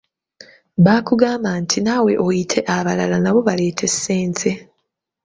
Bakugamba nti naawe oyite abalala nabo baleete ssente.